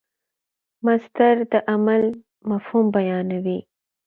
مصدر د عمل مفهوم بیانوي.